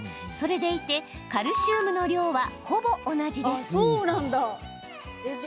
それでいて、カルシウムの量はほぼ同じです。